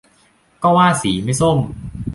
ก็ว่าสีไม่ส้ม